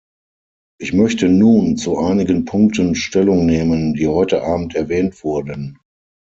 Ich möchte nun zu einigen Punkten Stellung nehmen, die heute Abend erwähnt wurden.